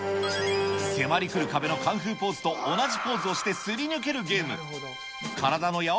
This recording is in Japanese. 迫りくる壁のカンフーポーズと同じポーズをしてすり抜けるゲーム。